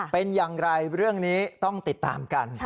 เป็นอย่างไรเรื่องนี้ต้องติดตามกัน